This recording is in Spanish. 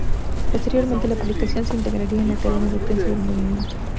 Posteriormente, la publicación se integraría en la Cadena de Prensa del Movimiento.